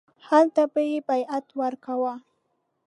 هلته به یې بیعت ورکاوه.